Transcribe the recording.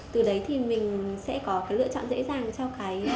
từ đấy thì mình sẽ có cái lựa chọn dễ dàng cho cái